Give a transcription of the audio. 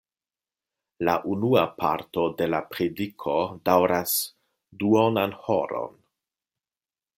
La unua parto de la prediko daŭras duonan horon.